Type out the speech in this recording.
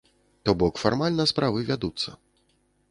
То бок фармальна справы вядуцца.